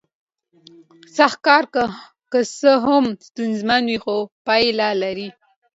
سخت کار که څه هم ستونزمن وي خو پایله لري